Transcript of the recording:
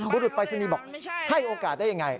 บุรุษปลายศนีบอกให้โอกาสได้อย่างไร